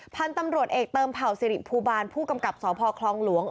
พันธุ์ตำรวจเอกเติมเผ่าสิริภูบาลผู้กำกับสพคลองหลวง